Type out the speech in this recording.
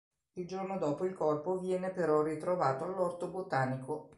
Il giorno dopo il corpo viene però ritrovato all’orto botanico.